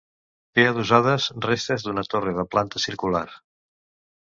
Té adossades restes d'una torre de planta circular.